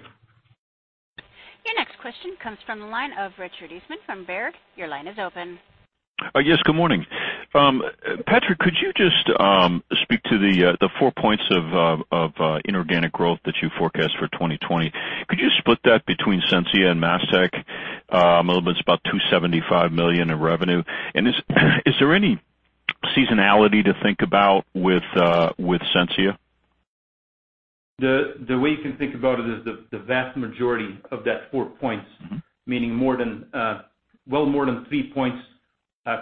Speaker 1: Your next question comes from the line of Richard Eastman from Baird. Your line is open.
Speaker 10: Yes, good morning. Patrick, could you just speak to the 4 points of inorganic growth that you forecast for 2020? Could you split that between Sensia and MESTECH? A little bit, it's about $275 million in revenue. Is there any seasonality to think about with Sensia?
Speaker 4: The way you can think about it is the vast majority of that four points, meaning well more than three points,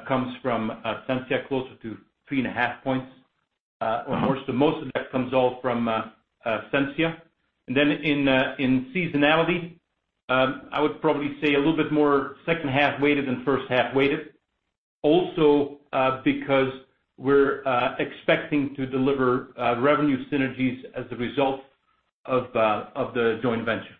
Speaker 4: comes from Sensia, closer to three and a half points or more. Most of that comes all from Sensia. In seasonality, I would probably say a little bit more second half weighted than first half weighted. Also, because we're expecting to deliver revenue synergies as a result of the joint venture.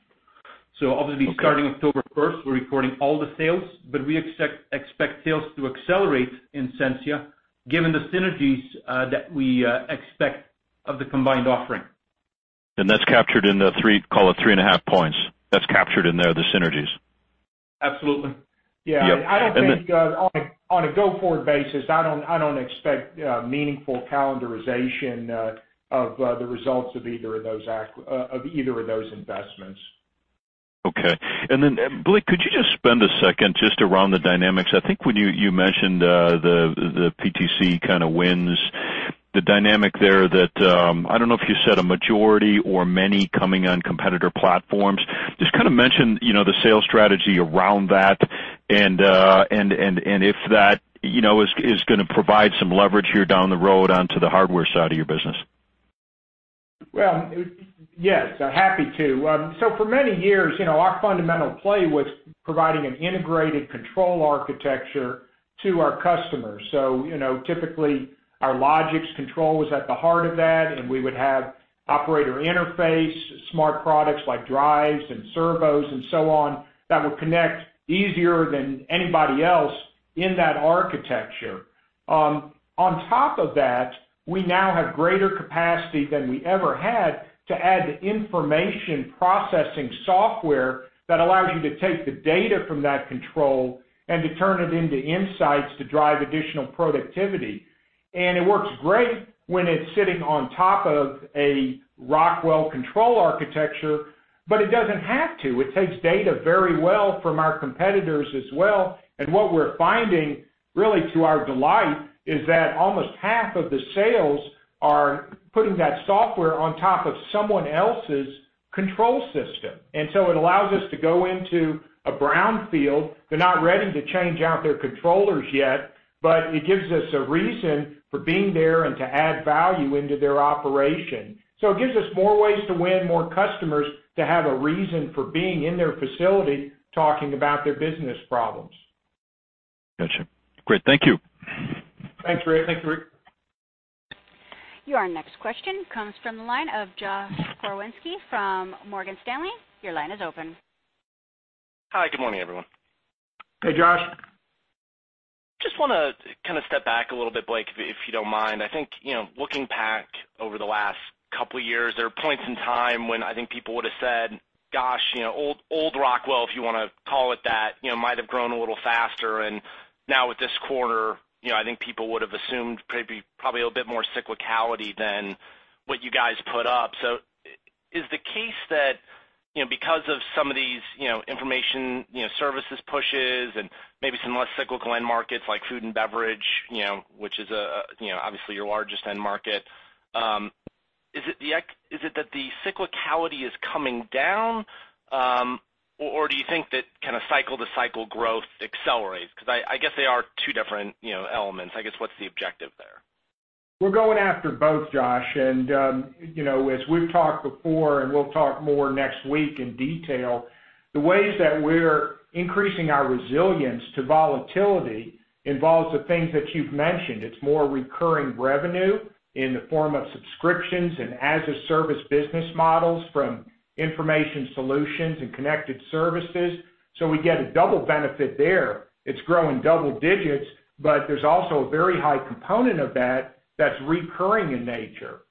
Speaker 4: Obviously starting October 1st, we're recording all the sales, but we expect sales to accelerate in Sensia given the synergies that we expect of the combined offering.
Speaker 10: That's captured in the call it three and a half points. That's captured in there, the synergies.
Speaker 4: Absolutely.
Speaker 3: Yeah.
Speaker 10: Yep. And then-
Speaker 3: I think on a go-forward basis, I don't expect meaningful calendarization of the results of either of those investments.
Speaker 10: Okay. Blake, could you just spend a second just around the dynamics? I think when you mentioned the PTC kind of wins, the dynamic there that, I don't know if you said a majority or many coming on competitor platforms. Just kind of mention the sales strategy around that and if that is going to provide some leverage here down the road onto the hardware side of your business.
Speaker 3: Well, yes, happy to. For many years, our fundamental play was providing an integrated control architecture to our customers. Typically, our Logix control was at the heart of that, and we would have operator interface, smart products like drives and servos and so on that would connect easier than anybody else in that architecture. On top of that, we now have greater capacity than we ever had to add information processing software that allows you to take the data from that control and to turn it into insights to drive additional productivity. It works great when it's sitting on top of a Rockwell control architecture, but it doesn't have to. It takes data very well from our competitors as well. What we're finding, really to our delight, is that almost half of the sales are putting that software on top of someone else's control system. It allows us to go into a brownfield. They're not ready to change out their controllers yet, but it gives us a reason for being there and to add value into their operation. It gives us more ways to win more customers to have a reason for being in their facility talking about their business problems.
Speaker 10: Got you. Great. Thank you.
Speaker 3: Thanks, Rick.
Speaker 4: Thank you, Rick.
Speaker 1: Your next question comes from the line of Josh Pokrzywinski from Morgan Stanley. Your line is open.
Speaker 11: Hi. Good morning, everyone.
Speaker 3: Hey, Josh.
Speaker 11: Just want to kind of step back a little bit, Blake, if you don't mind. I think, looking back over the last couple of years, there are points in time when I think people would've said, "Gosh, old Rockwell," if you want to call it that, "might have grown a little faster." Now with this quarter, I think people would've assumed probably a bit more cyclicality than what you guys put up. Is the case that, because of some of these information services pushes and maybe some less cyclical end markets like food and beverage, which is obviously your largest end market, is it that the cyclicality is coming down? Do you think that kind of cycle-to-cycle growth accelerates? I guess they are two different elements. I guess, what's the objective there?
Speaker 3: We're going after both, Josh. As we've talked before, and we'll talk more next week in detail, the ways that we're increasing our resilience to volatility involves the things that you've mentioned. It's more recurring revenue in the form of subscriptions and as-a-service business models from information solutions and connected services. We get a double benefit there. It's growing double digits, but there's also a very high component of that that's recurring in nature.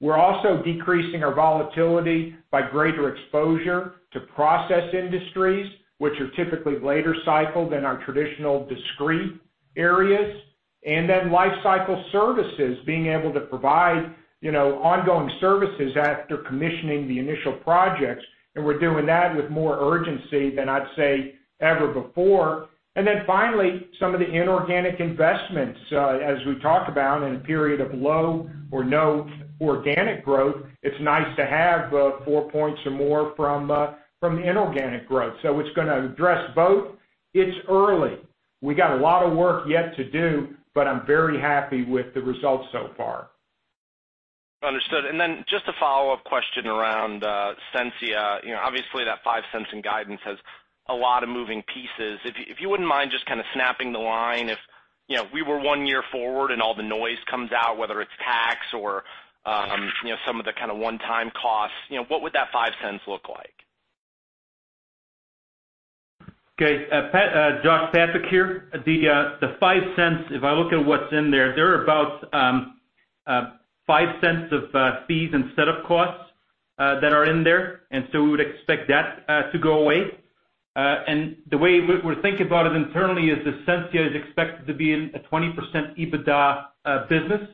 Speaker 3: We're also decreasing our volatility by greater exposure to process industries, which are typically later cycle than our traditional discrete areas. Lifecycle services, being able to provide ongoing services after commissioning the initial projects, and we're doing that with more urgency than I'd say ever before. Finally, some of the inorganic investments. As we talked about, in a period of low or no organic growth, it's nice to have 4 points or more from the inorganic growth. It's early. We got a lot of work yet to do, but I'm very happy with the results so far.
Speaker 11: Understood. Just a follow-up question around Sensia. Obviously that $0.05 in guidance has a lot of moving pieces. If you wouldn't mind just kind of snapping the line, if we were one year forward and all the noise comes out, whether it's tax or some of the kind of one-time costs, what would that $0.05 look like?
Speaker 4: Okay. Josh, Patrick here. The $0.05, if I look at what's in there are about $0.05 of fees and setup costs that are in there, so we would expect that to go away. The way we're thinking about it internally is that Sensia is expected to be a 20% EBITDA business.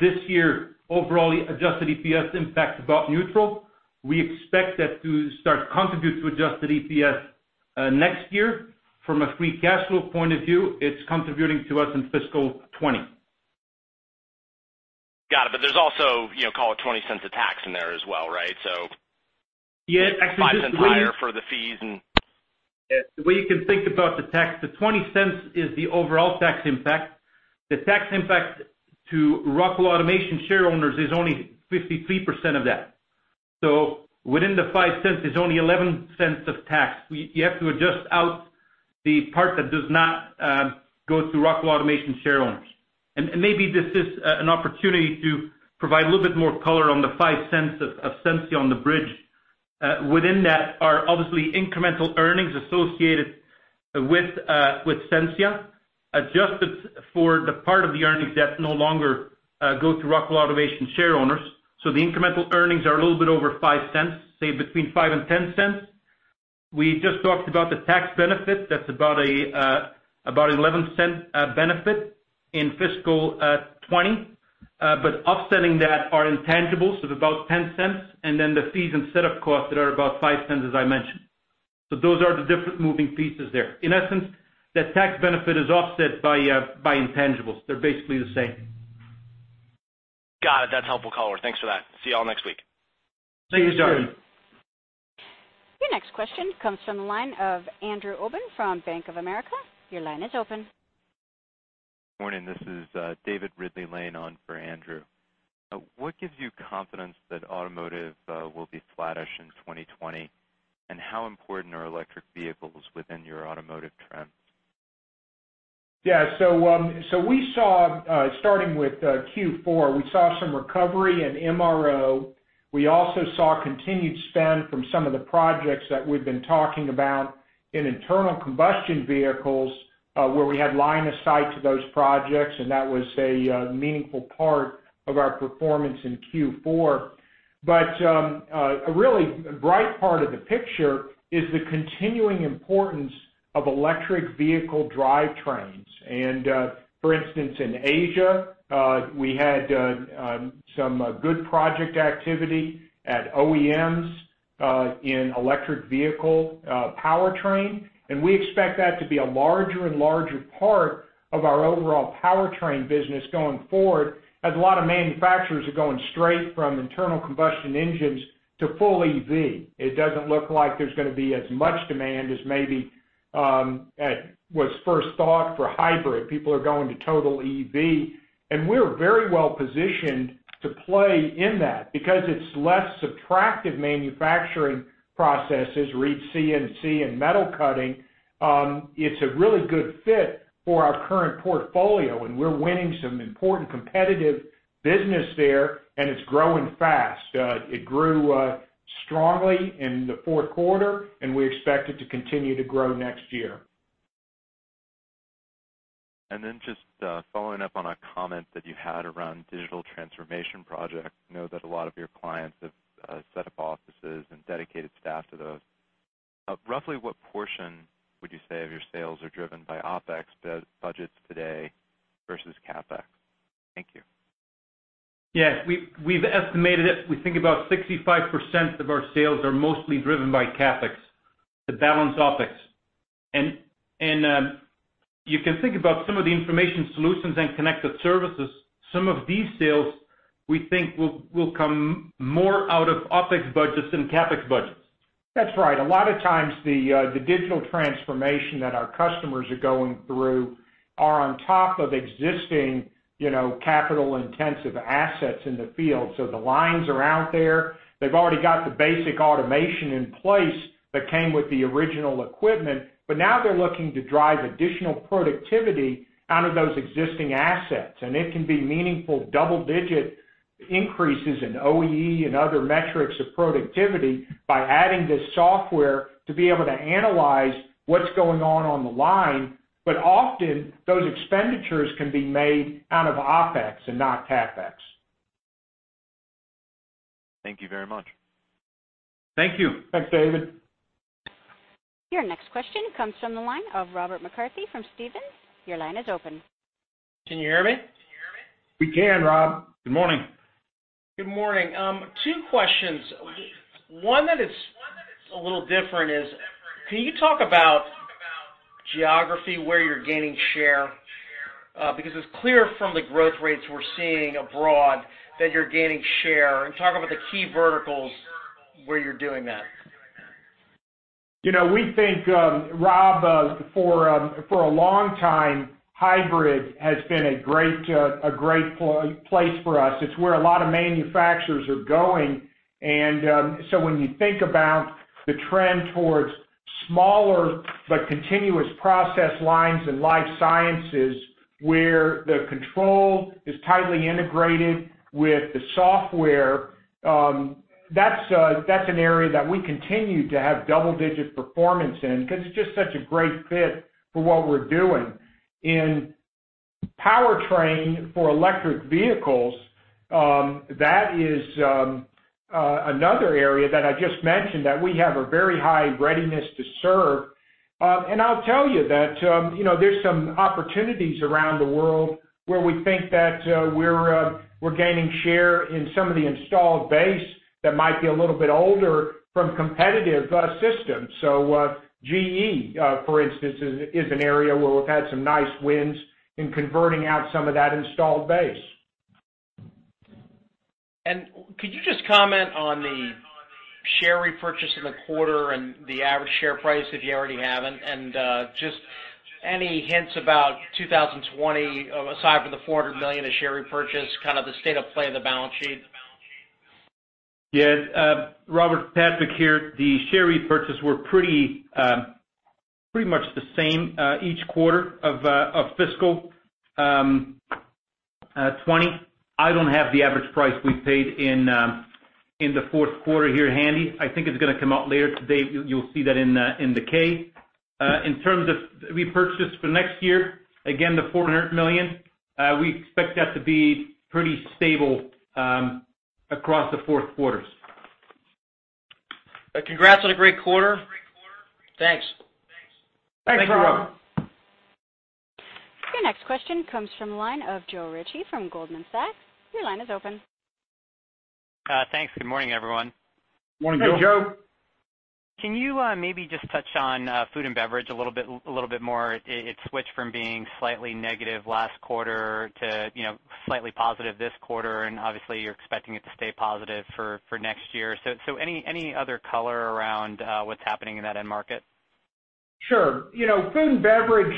Speaker 4: This year, overall adjusted EPS impact about neutral. We expect that to start to contribute to adjusted EPS next year. From a free cash flow point of view, it's contributing to us in fiscal 2020.
Speaker 11: Got it. There's also, call it $0.20 of tax in there as well, right?
Speaker 4: Yeah, actually.
Speaker 11: $0.05 higher for the fees and.
Speaker 4: The way you can think about the tax, the $0.20 is the overall tax impact. The tax impact to Rockwell Automation shareowners is only 53% of that. Within the $0.05 is only $0.11 of tax. You have to adjust out the part that does not go to Rockwell Automation shareowners. Maybe this is an opportunity to provide a little bit more color on the $0.05 of Sensia on the bridge. Within that are obviously incremental earnings associated with Sensia, adjusted for the part of the earnings that no longer go to Rockwell Automation shareowners. The incremental earnings are a little bit over $0.05, say between $0.05 and $0.10. We just talked about the tax benefit. That's about an $0.11 benefit in fiscal 2020. Offsetting that are intangibles of about $0.10, and then the fees and setup costs that are about $0.05, as I mentioned. Those are the different moving pieces there. In essence, that tax benefit is offset by intangibles. They are basically the same.
Speaker 11: Got it. That's helpful color. Thanks for that. See you all next week.
Speaker 3: Thank you, Josh.
Speaker 1: Your next question comes from the line of Andrew Obin from Bank of America. Your line is open.
Speaker 12: Morning. This is David Ridley-Lane on for Andrew. What gives you confidence that automotive will be flattish in 2020, and how important are electric vehicles within your automotive trends?
Speaker 3: Starting with Q4, we saw some recovery in MRO. We also saw continued spend from some of the projects that we've been talking about in internal combustion vehicles, where we had line of sight to those projects, and that was a meaningful part of our performance in Q4. A really bright part of the picture is the continuing importance of electric vehicle drivetrains. For instance, in Asia, we had some good project activity at OEMs in electric vehicle powertrain, and we expect that to be a larger and larger part of our overall powertrain business going forward, as a lot of manufacturers are going straight from internal combustion engines to full EV. It doesn't look like there's going to be as much demand as maybe was first thought for hybrid. People are going to total EV. We're very well-positioned to play in that because it's less subtractive manufacturing processes, read CNC and metal cutting. It's a really good fit for our current portfolio. We're winning some important competitive business there. It's growing fast. It grew strongly in the fourth quarter. We expect it to continue to grow next year.
Speaker 12: Just following up on a comment that you had around digital transformation projects. Know that a lot of your clients have set up offices and dedicated staff to those. Roughly what portion would you say of your sales are driven by OpEx budgets today versus CapEx? Thank you.
Speaker 4: Yes. We've estimated it. We think about 65% of our sales are mostly driven by CapEx to balance OpEx. You can think about some of the information solutions and connected services, some of these sales we think will come more out of OpEx budgets than CapEx budgets.
Speaker 3: That's right. A lot of times the digital transformation that our customers are going through are on top of existing capital-intensive assets in the field. The lines are out there. They've already got the basic automation in place that came with the original equipment, but now they're looking to drive additional productivity out of those existing assets, and it can be meaningful double-digit increases in OEE and other metrics of productivity by adding this software to be able to analyze what's going on on the line. Often those expenditures can be made out of OpEx and not CapEx.
Speaker 12: Thank you very much.
Speaker 4: Thank you.
Speaker 3: Thanks, David.
Speaker 1: Your next question comes from the line of Robert McCarthy from Stephens. Your line is open.
Speaker 13: Can you hear me?
Speaker 3: We can, Rob. Good morning.
Speaker 13: Good morning. Two questions. One that is a little different is, can you talk about geography where you're gaining share? Because it's clear from the growth rates we're seeing abroad that you're gaining share. Talk about the key verticals where you're doing that.
Speaker 3: We think, Rob, for a long time, hybrid has been a great place for us. It's where a lot of manufacturers are going. When you think about the trend towards smaller but continuous process lines in life sciences, where the control is tightly integrated with the software, that's an area that we continue to have double-digit performance in because it's just such a great fit for what we're doing. In powertrain for electric vehicles, that is another area that I just mentioned, that we have a very high readiness to serve. I'll tell you that there's some opportunities around the world where we think that we're gaining share in some of the installed base that might be a little bit older from competitive systems. GE, for instance, is an area where we've had some nice wins in converting out some of that installed base.
Speaker 13: Could you just comment on the share repurchase in the quarter and the average share price, if you already haven't, and just any hints about 2020, aside from the $400 million of share repurchase, kind of the state of play of the balance sheet?
Speaker 4: Yes. Robert, Patzek here. The share repurchases were pretty much the same each quarter of fiscal 2020. I don't have the average price we paid in the fourth quarter here handy. I think it's going to come out later today. You'll see that in the K. In terms of repurchase for next year, again, the $400 million, we expect that to be pretty stable across the four quarters.
Speaker 13: Congrats on a great quarter. Thanks.
Speaker 3: Thanks, Rob.
Speaker 4: Thanks, Rob.
Speaker 1: Your next question comes from the line of Joe Ritchie from Goldman Sachs. Your line is open.
Speaker 14: Thanks. Good morning, everyone.
Speaker 3: Morning, Joe.
Speaker 4: Hey, Joe.
Speaker 14: Can you maybe just touch on food and beverage a little bit more? It switched from being slightly negative last quarter to slightly positive this quarter, and obviously you're expecting it to stay positive for next year. Any other color around what's happening in that end market?
Speaker 3: Sure. Food and beverage,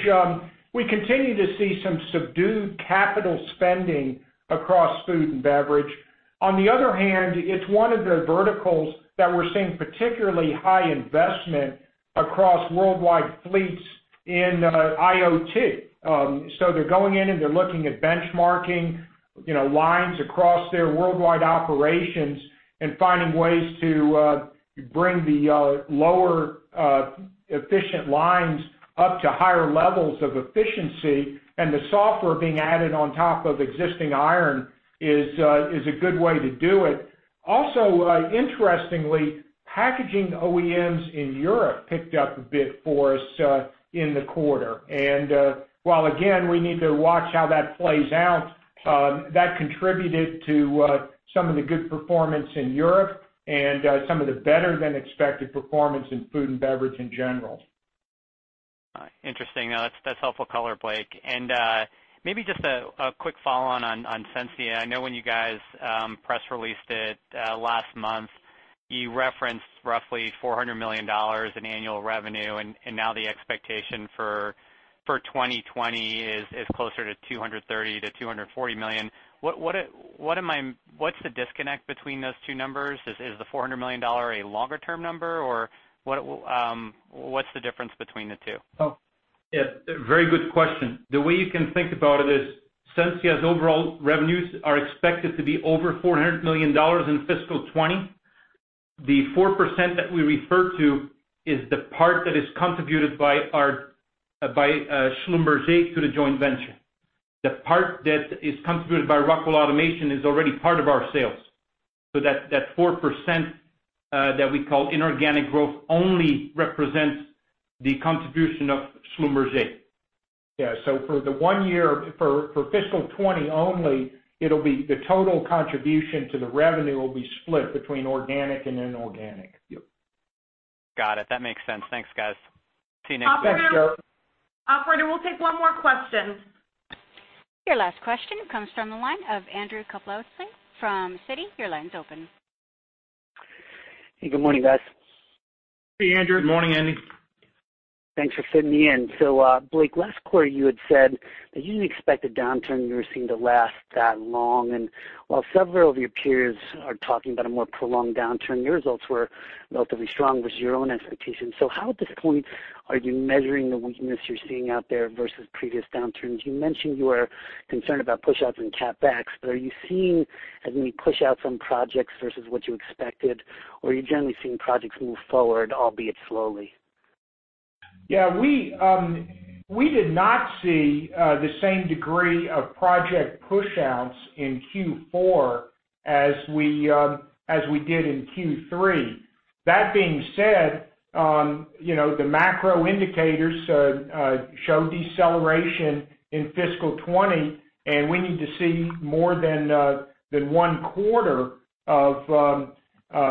Speaker 3: we continue to see some subdued CapEx spending across food and beverage. On the other hand, it's one of the verticals that we're seeing particularly high investment across worldwide fleets in IoT. They're going in and they're looking at benchmarking lines across their worldwide operations and finding ways to bring the lower efficient lines up to higher levels of efficiency, and the software being added on top of existing iron is a good way to do it. Interestingly, packaging OEMs in Europe picked up a bit for us in the quarter. While, again, we need to watch how that plays out, that contributed to some of the good performance in Europe and some of the better than expected performance in food and beverage in general.
Speaker 14: Interesting. No, that's helpful color, Blake. Maybe just a quick follow-on on Sensia. I know when you guys press-released it last month, you referenced roughly $400 million in annual revenue, and now the expectation for 2020 is closer to $230 million-$240 million. What's the disconnect between those two numbers? Is the $400 million a longer-term number, or what's the difference between the two?
Speaker 4: Very good question. The way you can think about it is, Sensia's overall revenues are expected to be over $400 million in fiscal 2020. The 4% that we refer to is the part that is contributed by Schlumberger to the joint venture. The part that is contributed by Rockwell Automation is already part of our sales. That 4% that we call inorganic growth only represents the contribution of Schlumberger.
Speaker 3: Yeah. For the one year, for fiscal 2020 only, the total contribution to the revenue will be split between organic and inorganic.
Speaker 4: Yep.
Speaker 14: Got it. That makes sense. Thanks, guys. See you next week.
Speaker 3: Thanks, Joe.
Speaker 2: Operator, we'll take one more question.
Speaker 1: Your last question comes from the line of Andrew Kaplowitz from Citi. Your line's open.
Speaker 15: Hey, good morning, guys.
Speaker 3: Hey, Andrew.
Speaker 4: Good morning, Andy.
Speaker 15: Thanks for fitting me in. Blake, last quarter you had said that you didn't expect the downturn you were seeing to last that long. While several of your peers are talking about a more prolonged downturn, your results were relatively strong versus your own expectations. How, at this point, are you measuring the weakness you're seeing out there versus previous downturns? You mentioned you were concerned about pushouts and cutbacks. Are you seeing as many pushouts from projects versus what you expected, or are you generally seeing projects move forward, albeit slowly?
Speaker 3: Yeah, we did not see the same degree of project pushouts in Q4 as we did in Q3. That being said, the macro indicators show deceleration in fiscal 2020, and we need to see more than one quarter of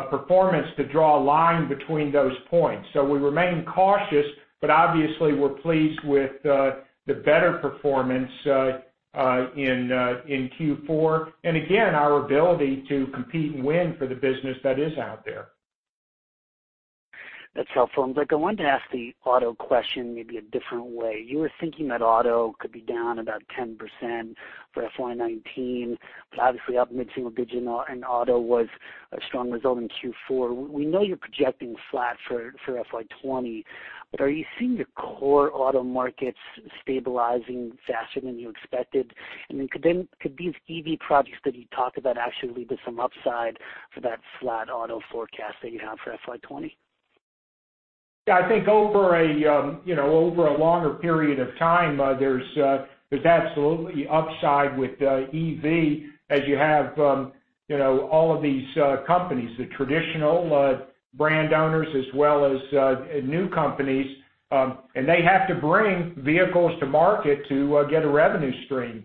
Speaker 3: performance to draw a line between those points. We remain cautious, but obviously, we're pleased with the better performance in Q4, and again, our ability to compete and win for the business that is out there.
Speaker 15: That's helpful. Blake, I wanted to ask the auto question maybe a different way. You were thinking that auto could be down about 10% for FY 2019, but obviously, up mid-single digit in auto was a strong result in Q4. We know you're projecting flat for FY 2020, but are you seeing the core auto markets stabilizing faster than you expected? Then could these EV projects that you talked about actually lead to some upside for that flat auto forecast that you have for FY 2020?
Speaker 3: Yeah, I think over a longer period of time, there's absolutely upside with EV, as you have all of these companies, the traditional brand owners as well as new companies, and they have to bring vehicles to market to get a revenue stream.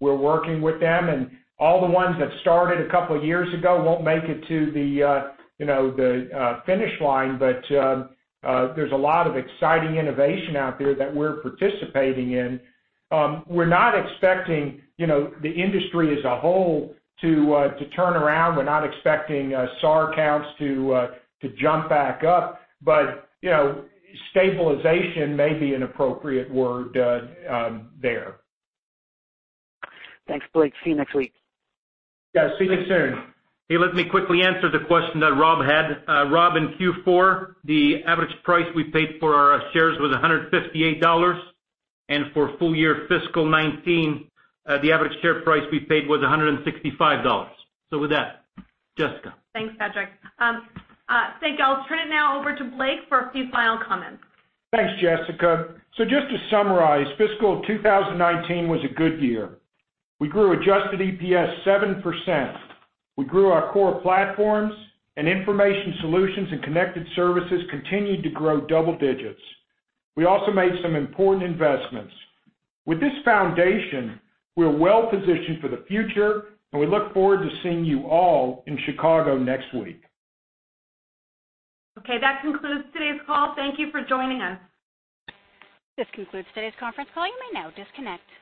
Speaker 3: We're working with them, and all the ones that started a couple of years ago won't make it to the finish line. There's a lot of exciting innovation out there that we're participating in. We're not expecting the industry as a whole to turn around. We're not expecting SAR counts to jump back up. Stabilization may be an appropriate word there.
Speaker 15: Thanks, Blake. See you next week.
Speaker 3: Yeah, see you soon.
Speaker 4: Hey, let me quickly answer the question that Rob had. Rob, in Q4, the average price we paid for our shares was $158. For full year fiscal 2019, the average share price we paid was $165. With that, Jessica.
Speaker 2: Thanks, Patrick. I think I'll turn it now over to Blake for a few final comments.
Speaker 3: Thanks, Jessica. Just to summarize, fiscal 2019 was a good year. We grew adjusted EPS 7%. We grew our core platforms, and Information Solutions and Connected Services continued to grow double digits. We also made some important investments. With this foundation, we're well-positioned for the future, and we look forward to seeing you all in Chicago next week.
Speaker 2: Okay. That concludes today's call. Thank you for joining us.
Speaker 1: This concludes today's conference call. You may now disconnect.